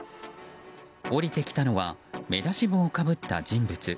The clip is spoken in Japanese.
降りてきたのは目出し帽をかぶった人物。